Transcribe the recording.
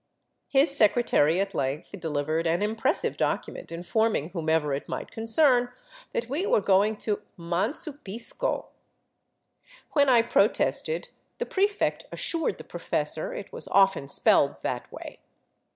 His secretary at length delivered an impressive document informing whomever it might concern that we were going to " Mansupisco." 454 A FORGOTTEN CITY OF THE ANDES When I protested, the prefect assured the professor it was often spelled that way.